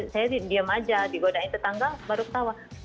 saya diam aja digodain tetangga baru ketawa